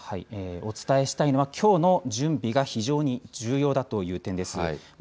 お伝えししたいのはきょうの準備が非常に重要だという点です。